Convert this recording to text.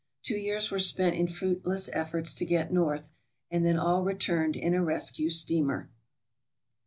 Two years were spent in fruit less efforts to get north, and then all returned in a rescue steamer.